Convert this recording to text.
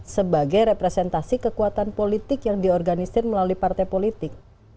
sebagai representasi kekuatan politik yang diorganisir melalui partai politik